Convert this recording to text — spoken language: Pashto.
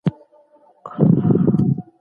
هغوی په دښته کې ګرځېدل.